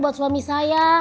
buat suami saya